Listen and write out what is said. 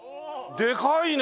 でかいね！